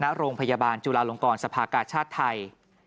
ณโรงพยาบาลจุลาลงกรสภากาชาติไทย